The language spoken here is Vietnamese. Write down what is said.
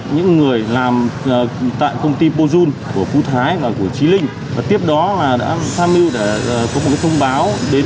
những người làm tại công ty pojun của phú thái và của trí linh và tiếp đó đã tham mưu để có một thông báo